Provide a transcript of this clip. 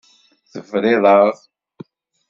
Tebriḍ-aɣ.